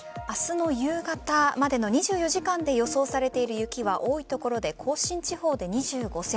明日の夕方までの２４時間で予想されている雪は多い所で甲信地方で２５ｃｍ